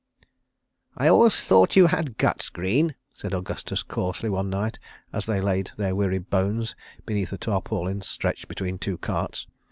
.. "I always thought you had guts, Greene," said Augustus coarsely, one night, as they laid their weary bones beneath a tarpaulin stretched between two carts.